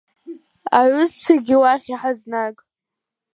Аҩызцәагьы уахь иҳазнаг.